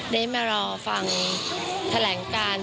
ได้มารอฟังแถลงการ